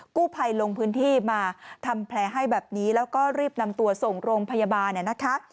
กู้ภัยลงพื้นที่มาทำแผลให้แบบนี้แล้วก็รีบนำตัวส่งโรงพยาบาลเนี่ยนะคะ